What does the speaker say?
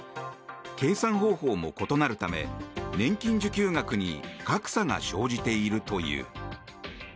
計算方法も異なるため年金受給額に格差が生じているという。